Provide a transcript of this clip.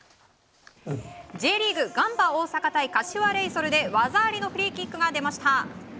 Ｊリーグガンバ大阪対柏レイソルで技ありのフリーキックが出ました。